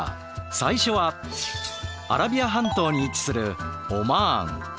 最初はアラビア半島に位置するオマーン。